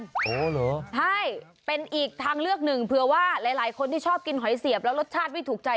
โอ้โหเหรอใช่เป็นอีกทางเลือกหนึ่งเผื่อว่าหลายคนที่ชอบกินหอยเสียบแล้วรสชาติไม่ถูกใจ